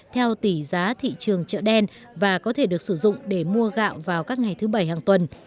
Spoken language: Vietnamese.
theo tỷ giá thị trường chợ đen và có thể được sử dụng để mua gạo vào các ngày thứ bảy hàng tuần